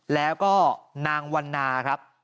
แล้วก็นางวันนาครับ